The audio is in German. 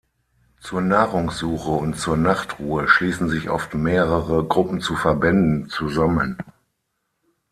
Zur Nahrungssuche und zur Nachtruhe schließen sich oft mehrere Gruppen zu Verbänden zusammen.